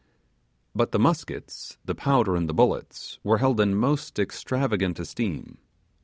But the muskets, the powder, and the bullets were held in most extravagant esteem.